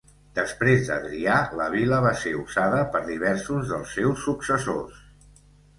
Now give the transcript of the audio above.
Després d'Adrià, la vil·la va ser usada per diversos dels seus successors.